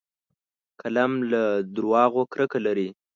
قلم له دروغو کرکه لري